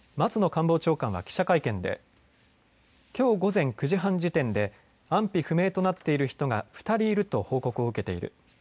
官房長官は記者会見できょう午前９時半時点で安否不明となっている人が２人いると報告を受けている。